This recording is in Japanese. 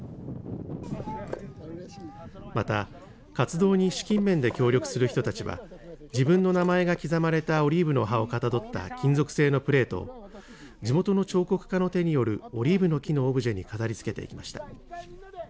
また、活動に資金面で協力する人たちは自分の名前が刻まれたオリーブの葉をかたどった金属製のプレートを地元の彫刻家の手によるオリーブの木のオブジェに飾りつけていきました。